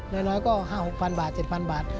น้อยก็๕๐๐๐๖๐๐๐บาท๗๐๐๐บาท